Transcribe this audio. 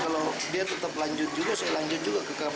kalau dia tetap lanjut juga saya lanjut juga ke kpk